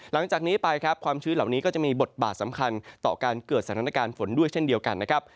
หลังจากนี้ไปครับความชื้นเหล่านี้ก็จะมีบทบาทสำคัญต่อการเกิดสถานการณ์ฝนด้วยเช่นเดียวกันนะครับ